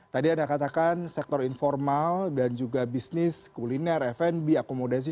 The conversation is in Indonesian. tadi anda katakan sektor informal dan juga bisnis kuliner fnb akomodasi